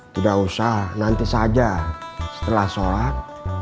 tidak usah nanti saja setelah sholat